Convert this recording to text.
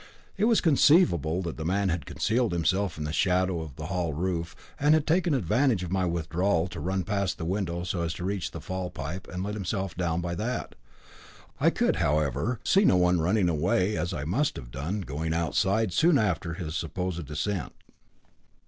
It was conceivable that the man had concealed himself in the shadow of the hall roof, and had taken advantage of my withdrawal to run past the window so as to reach the fall pipe, and let himself down by that. I could, however, see no one running away, as I must have done, going outside so soon after his supposed descent.